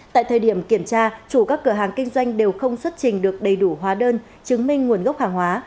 tại thời điểm kiểm tra chủ các cửa hàng kinh doanh đều không xuất trình được đầy đủ hóa đơn chứng minh nguồn gốc hàng hóa